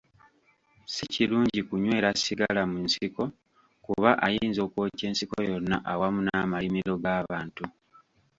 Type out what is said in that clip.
Si kirungi kunyweera sigala mu nsiko kuba ayinza okwokya ensiko yonna awamu n'amalimiro g'abantu.